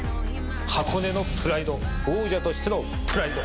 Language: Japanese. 箱根のプライド王者としてのプライド。